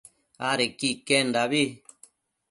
adequi iquendabi